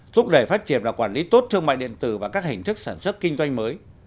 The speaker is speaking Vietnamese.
thúc đẩy phát triển và quản lý tốt thương mại điện tử và các hình thức sản xuất kinh doanh mới